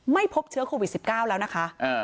ไม่พบเชื้อโควิดสิบเก้าแล้วนะคะเอ่อ